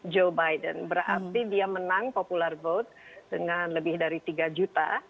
joe biden berarti dia menang popular vote dengan lebih dari tiga juta